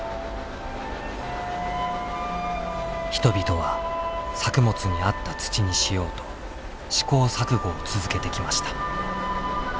人々は作物に合った土にしようと試行錯誤を続けてきました。